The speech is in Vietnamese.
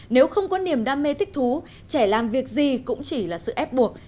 nếu không có niềm đam mê thích thú trẻ làm việc gì cũng chỉ là sự ép buộc